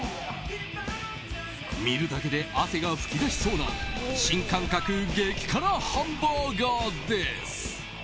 見るだけで汗が噴き出しそうな新感覚激辛ハンバーガーです。